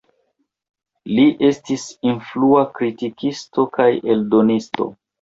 Li estis influa kritikisto kaj eldonisto.